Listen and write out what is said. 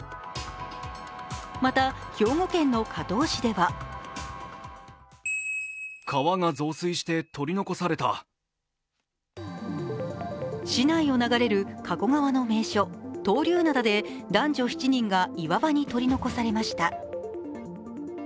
また、兵庫県加東市では市内を流れる加古川の名所闘竜灘で男女７人が岩場に取り残されました